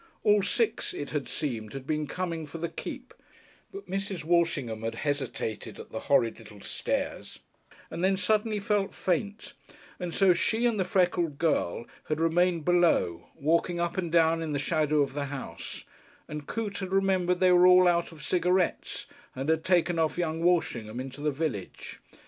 All six, it had seemed, had been coming for the Keep, but Mrs. Walshingham had hesitated at the horrid little stairs, and then suddenly felt faint, and so she and the freckled girl had remained below, walking up and down in the shadow of the house, and Coote had remembered they were all out of cigarettes, and had taken off young Walshingham into the village.